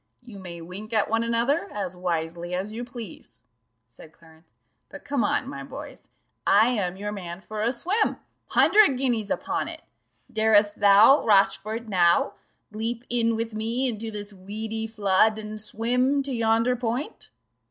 "You may wink at one another, as wisely as you please," said Clarence, "but come on, my boys I am your man for a swim hundred guineas upon it! 'Darest thou, Rochfort, now Leap in with me into this weedy flood, And swim to yonder point?